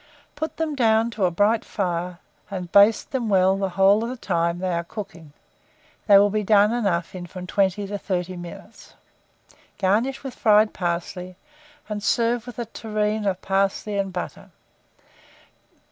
Put them down to a bright fire, and baste them well the whole of the time they are cooking (they will be done enough in from 20 to 30 minutes); garnish with fried parsley, and serve with a tureen of parsley and butter.